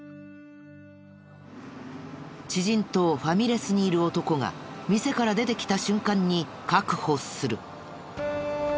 知人とファミレスにいる男が店から出てきた瞬間に確保する。